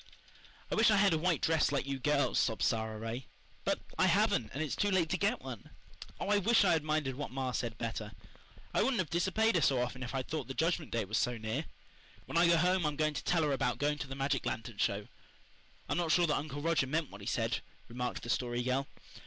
"I wish I had a white dress like you girls," sobbed Sara Ray. "But I haven't, and it's too late to get one. Oh, I wish I had minded what ma said better. I wouldn't have disobeyed her so often if I'd thought the Judgment Day was so near. When I go home I'm going to tell her about going to the magic lantern show." "I'm not sure that Uncle Roger meant what he said," remarked the Story Girl.